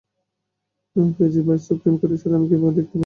ফেজি ভাই, সুপ্রিম কোর্টের সাথে আমি কিভাবে দেখা করতে পারি?